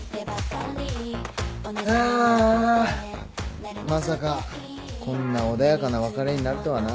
あーあまさかこんな穏やかな別れになるとはな。